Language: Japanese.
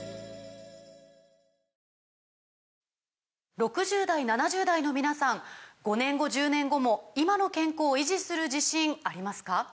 ６０代７０代の皆さん５年後１０年後も今の健康維持する自信ありますか？